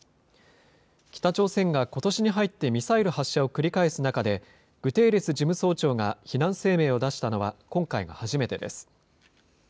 北朝鮮がことしに入ってミサイル発射を繰り返す中で、グテーレス事務総長が非難声明を出したのは今回が初めてです。